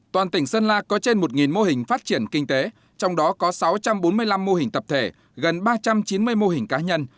toàn tỉnh sơn la có trên một mô hình phát triển kinh tế trong đó có sáu trăm bốn mươi năm mô hình tập thể gần ba trăm chín mươi mô hình cá nhân